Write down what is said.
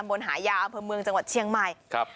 ตำบลหายาวอำเภอเมืองจังหวัดเชียงใหม่